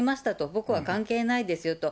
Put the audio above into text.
僕は関係ないですよと。